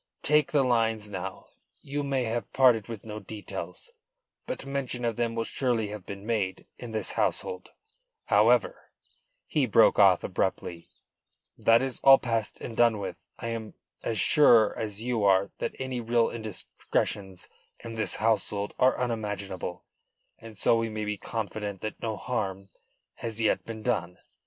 Take the lines now: you may have parted with no details. But mention of them will surely have been made in this household. However," he broke off abruptly, "that is all past and done with. I am as sure as you are that any real indiscretions in this household are unimaginable, and so we may be confident that no harm has yet been done.